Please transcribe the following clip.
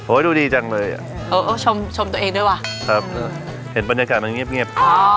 ดูดีจังเลยอ่ะเออชมชมตัวเองด้วยว่ะครับเห็นบรรยากาศมันเงียบ